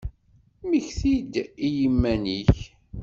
Mmekti-d i yiman-nnek.